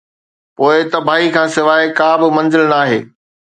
پوءِ تباهي کان سواءِ ڪا به منزل ناهي.